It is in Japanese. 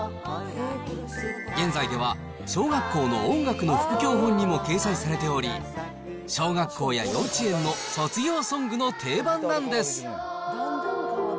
現在では、小学校の音楽の副教本にも掲載されており、小学校や幼稚園の卒業ソングの定番なんです。